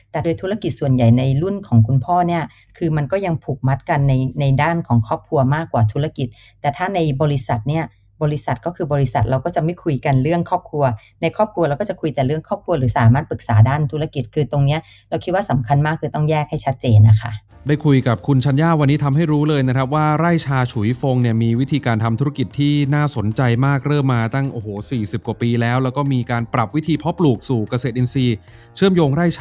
แต่โดยธุรกิจส่วนใหญ่ในรุ่นของคุณพ่อเนี่ยคือมันก็ยังผูกมัดกันในในด้านของครอบครัวมากกว่าธุรกิจแต่ถ้าในบริษัทเนี่ยบริษัทก็คือบริษัทเราก็จะไม่คุยกันเรื่องครอบครัวในครอบครัวเราก็จะคุยแต่เรื่องครอบครัวหรือสามารถปรึกษาด้านธุรกิจคือตรงนี้เราคิดว่าสำคัญมากคือต